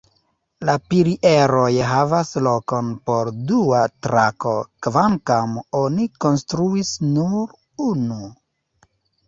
La pilieroj havas lokon por dua trako, kvankam oni konstruis nur unu.